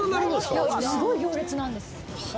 すごい行列なんです。